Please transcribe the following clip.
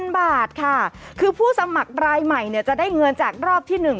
บาทค่ะคือผู้สมัครรายใหม่เนี่ยจะได้เงินจากรอบที่๑